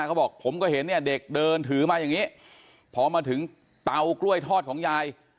เขาบอกผมก็เห็นเนี่ยเด็กเดินถือมาอย่างนี้พอมาถึงเตากล้วยทอดของยาย